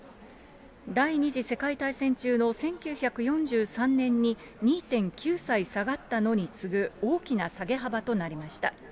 第２次世界大戦中の１９４３年に２．９歳下がったのに次ぐ、大きな下げ幅となりました。